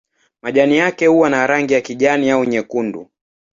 Majani yake huwa na rangi ya kijani au nyekundu.